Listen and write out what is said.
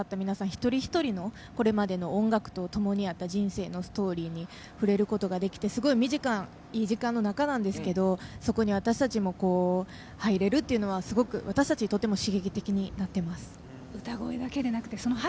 一人一人のこれまでの音楽とともにあった人生のストーリーに触れることができてすごく短い時間の中なんですけどそこに私たちも入れるというのは私たちにとっても刺激的になっています。